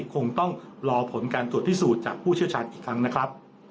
คงต้องรอผลการตรวจพิสูจน์จากผู้เชี่ยวชาญอีกครั้งนะครับ